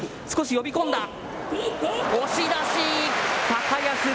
少し呼び込んだ。